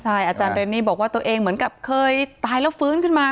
ใช่อาจารย์เรนนี่บอกว่าตัวเองเหมือนกับเคยตายแล้วฟื้นขึ้นมา